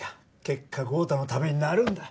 結果豪太のためになるんだ。